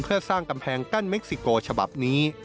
เพื่อสร้างกำแพงกั้นเม็กซิโกฉบับนี้